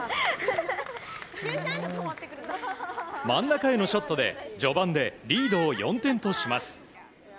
真ん中へのショットで序盤でリードを４点とします。